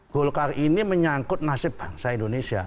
golkar ini menyangkut nasib bangsa indonesia